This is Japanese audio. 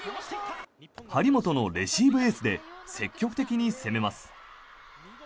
張本のレシーブエースで積極的に攻めます。